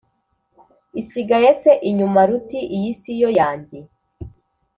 isigaye se inyuma, ruti:” iyi si yo yanjye?